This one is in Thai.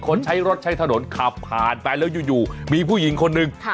ใช้รถใช้ถนนขับผ่านไปแล้วอยู่มีผู้หญิงคนหนึ่ง